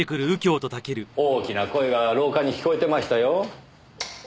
大きな声が廊下に聞こえてましたよ。